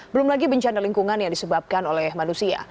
belum lagi bencana lingkungan yang disebabkan oleh manusia